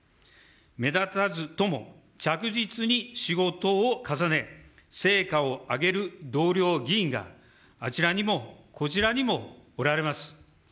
目立たずとも、着実に仕事を重ね、成果を上げる同僚議員が、あちらにもこちらにもおられます。